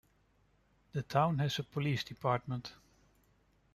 The town has a police department.